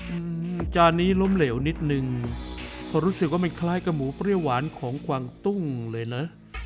อืมจานนี้ล้มเหลวนิดนึงเพราะรู้สึกว่ามันคล้ายกับหมูเปรี้ยวหวานของกวางตุ้งเลยนะ